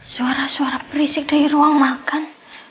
suara suara perisik dari ruang makan